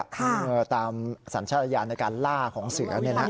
ค่ะเออตามสรรชาญญาณในการล่าของเสือเนี้ยนะฮะ